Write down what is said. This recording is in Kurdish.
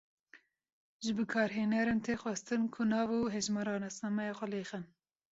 Ji bikarhêneran tê xwestin ku nav û hejmara nasnameya xwe lêxin.